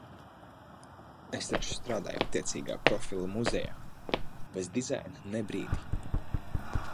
Es taču strādāju attiecīgā profila muzejā! Bez dizaina ne brīdi!